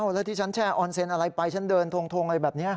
แล้วที่ฉันแช่อออนเซ็นต์อะไรไปฉันเดินทงอะไรแบบนี้